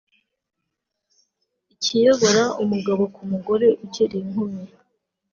ikiyobora umugabo ku mugore ukiri inkumi